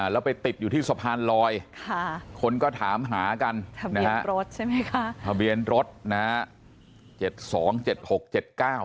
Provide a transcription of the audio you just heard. แล้วไปติดอยู่ที่สะพานลอยคนก็ถามหากันทะเบียนรถนะฮะ